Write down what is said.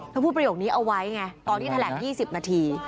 พูดประโยคนี้เอาไว้ไงตอนที่แถลง๒๐นาที